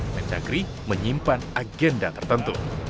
mendagri menyimpan agenda tertentu